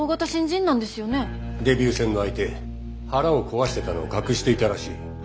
デビュー戦の相手腹を壊してたのを隠していたらしい。